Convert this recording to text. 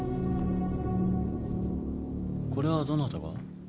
これはどなたが？